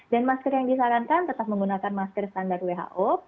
dan masker yang disarankan tetap menggunakan masker standar who